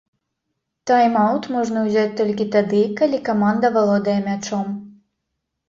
Тайм-аўт можна узяць толькі тады, калі каманда валодае мячом.